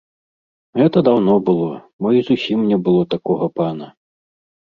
Гэта даўно было, мо і зусім не было такога пана.